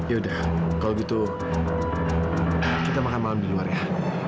ya udah kalau gitu kita makan malam di luar ya